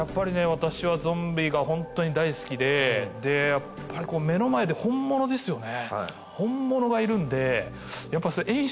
私はゾンビがホントに大好きででやっぱりこう目の前で本物ですよね。